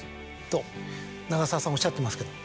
と長澤さんおっしゃってますけど。